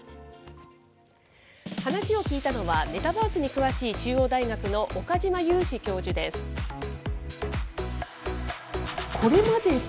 話を聞いたのは、メタバースに詳しい中央大学の岡嶋裕史教授です。